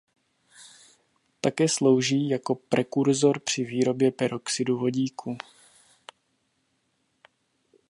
Také slouží jako prekurzor při výrobě peroxidu vodíku.